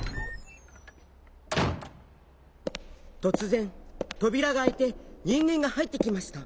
とつぜんとびらがあいてにんげんがはいってきました。